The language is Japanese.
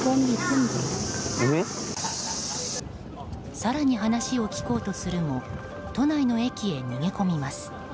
更に話を聞こうとするも都内の駅へ逃げ込みます。